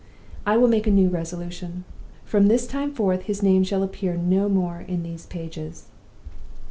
I will make a new resolution. From this time forth, his name shall appear no more in these pages."